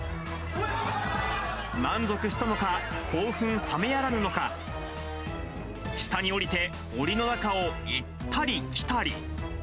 満足したのか、興奮冷めやらぬのか、下に下りて、おりの中を行ったり来たり。